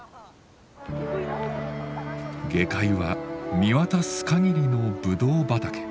下界は見渡す限りのぶどう畑。